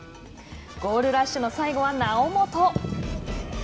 ゴールラッシュの最後は猶本。